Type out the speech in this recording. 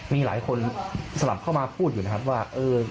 มีหลายคนสลับเข้ามาพูดอยู่นะครับว่า